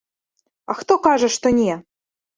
А хто кажа, што не.